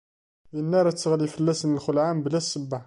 Dinna ara d-teɣli fell-asen lxelɛa, mebla ssebba.